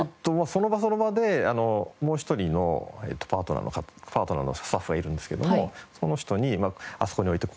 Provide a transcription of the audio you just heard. その場その場でもう一人のパートナーのスタッフがいるんですけどもその人に「あそこに置いて」